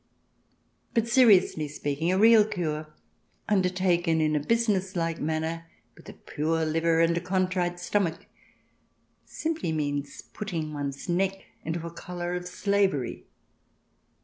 But, seriously speaking, a real cure, undertaken in a business like manner, with a pure liver and a con trite stomach, simply means putting one's neck into a collar of slavery.